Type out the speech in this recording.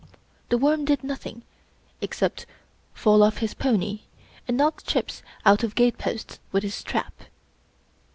The Worm did nothing except fall off his pony, and knock chips out of gate posts with his trap.